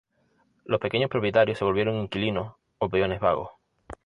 Los pequeños propietarios se volvieron inquilinos o peones vagos.